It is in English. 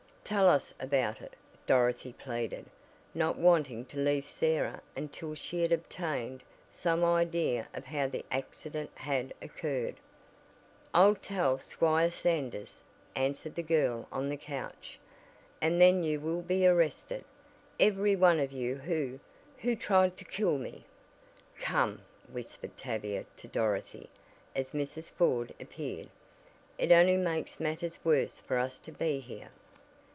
"Tell us about it," Dorothy pleaded, not wanting to leave Sarah until she had obtained some idea of how the accident had occurred. "I'll tell Squire Sanders," answered the girl on the couch, "and then you will be arrested, every one of you who who tried to kill me!" "Come!" whispered Tavia to Dorothy as Mrs. Ford appeared. "It only makes matters worse for us to be here."